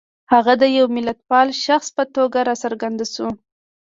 هغه د یوه ملتپال شخص په توګه را څرګند شو.